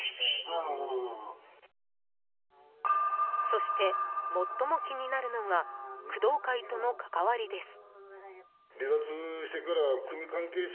そして、最も気になるのが工藤会との関わりです。